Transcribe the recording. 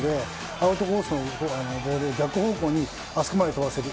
アウトコースのボールを逆方向にあそこまで飛ばせる。